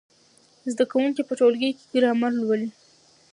زده کوونکي په ټولګي کې ګرامر لولي.